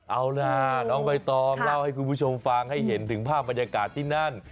เอาล่ะน้องใบตองเล่าให้คุณผู้ชมฟังให้เห็นถึงภาพบรรยากาศที่นั่น